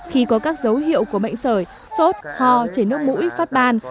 khi có các dấu hiệu của bệnh sởi sốt ho chảy nước mũi phát ban